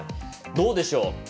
どうでしょう。